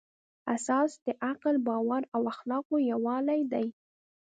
اساس د عقل، باور او اخلاقو یووالی دی.